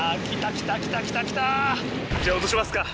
じゃあ落としますか。